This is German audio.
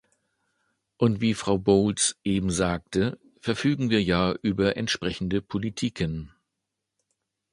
Und wie Frau Bowles eben sagte, verfügen wir ja über entsprechende Politiken.